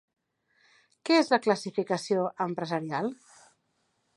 Què és la Classificació empresarial?